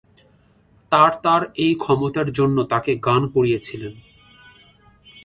তার তার এই ক্ষমতার জন্য তাকে গান করিয়েছিলেন।